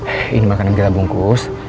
ini makanan kita bungkus